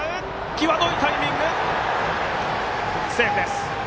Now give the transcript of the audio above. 際どいタイミング、セーフです。